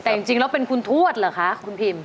แต่จริงแล้วเป็นคุณทวดเหรอคะคุณพิม